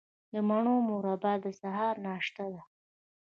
د مڼو مربا د سهار ناشته ده.